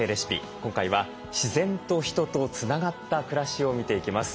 今回は自然と人とつながった暮らしを見ていきます。